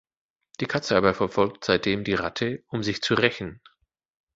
Die Katze aber verfolgt seitdem die Ratte, um sich zu rächen.